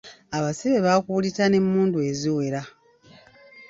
Abasibe baakuulita n'emmundu eziwera.